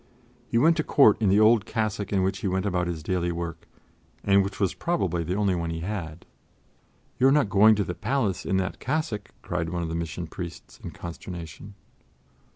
He went to Court in the old cassock in which he went about his daily work, and which was probably the only one he had. "You are not going to the palace in that cassock?" cried one of the Mission Priests in consternation.